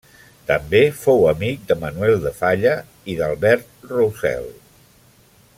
També fou amic de Manuel de Falla i d'Albert Roussel.